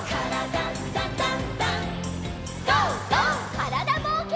からだぼうけん。